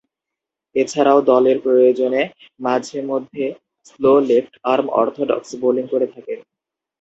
এছাড়াও, দলের প্রয়োজনে মাঝে-মধ্যে স্লো লেফট-আর্ম অর্থোডক্স বোলিং করে থাকেন।